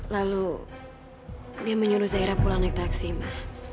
lalu dia menyuruh zaira pulang naik taksi ma